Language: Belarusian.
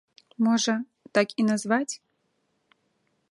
Можа, так і назваць?